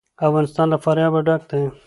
افغانستان له فاریاب ډک دی.